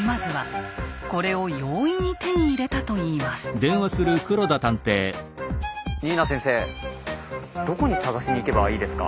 しかし新名先生どこに探しに行けばいいですか？